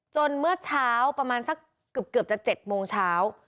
เมื่อเช้าประมาณสักเกือบจะ๗โมงเช้า